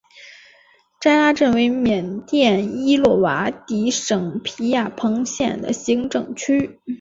斋拉镇为缅甸伊洛瓦底省皮亚朋县的行政区。